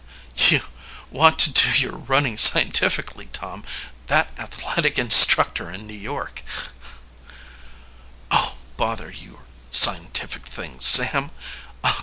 "You want to do your running scientifically, Tom. That athletic instructor in New York " "Oh, bother your scientific things, Sam!